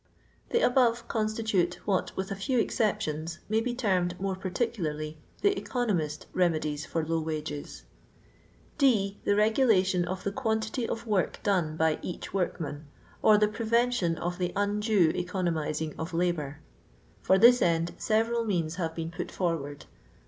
The above constitute what, with a few excep tions, may be termed, more particularly, the " eco nomist" remedies for low wages. D. The regulation of the quantity qf wori done by each workman, or the prevention of the undue economising qf Uibour. For this end, several means have been put forward.